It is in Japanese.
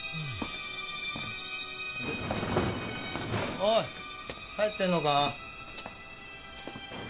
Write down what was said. おい帰ってるのか？